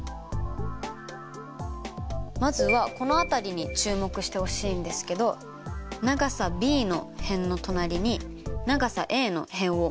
まずはこの辺りに注目してほしいんですけど長さｂの辺の隣に長さａの辺を持ってきたかったからです。